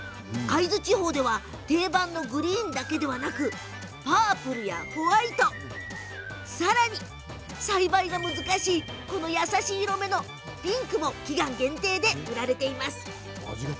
会津地方では定番のグリーンだけではなくパープルやホワイトさらに栽培が難しい優しいピンクも期間限定で売られています。